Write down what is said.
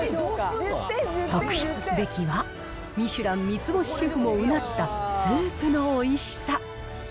特筆すべきは、ミシュラン３つ星シェフもうなったスープのおいしさ。